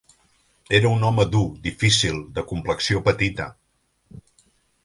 Era un home dur, difícil, de complexió petita.